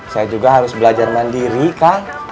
saya juga harus belajar mandiri kan